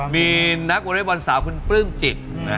มีนักเวิร์ทบรรยะบาลสาวค์คุณเปิ้ลจิต